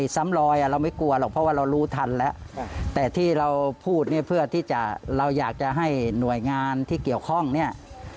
ซ้ำลอยเราไม่กลัวหรอกเพราะว่าเรารู้ทันแล้วแต่ที่เราพูดเนี่ยเพื่อที่จะเราอยากจะให้หน่วยงานที่เกี่ยวข้องเนี่ย